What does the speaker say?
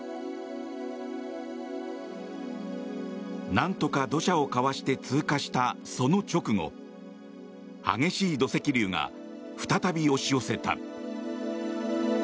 なんとか土砂をかわして通過した、その直後激しい土石流が再び押し寄せた。